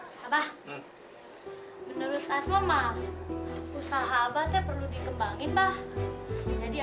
ini bisa bikin hal ini juga sih